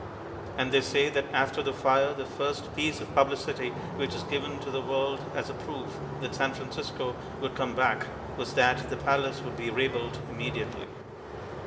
And they say that after the fire the first piece of publicity which was given to the world as a proof that San Francisco would come back, was that the Palace would be rebuilt immediately.